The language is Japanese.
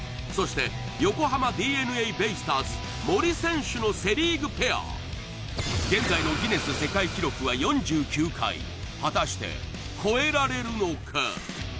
そして横浜ＤｅＮＡベイスターズ森選手のセ・リーグペア現在のギネス世界記録は４９回果たして超えられるのか？